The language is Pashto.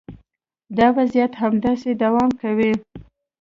دا وضعیت همداسې دوام کوي